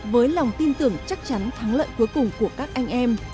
với lòng tin tưởng chắc chắn thắng lợi cuối cùng của các anh em